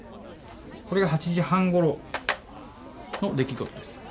これが８時半ごろの出来事です。